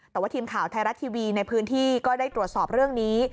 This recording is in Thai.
แต่ว่าทีมข่าวไทยรัฐทีวีในพื้นที่ก็ได้ตรวจสอบเรื่องนี้